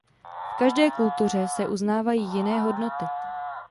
V každé kultuře se uznávají jiné hodnoty.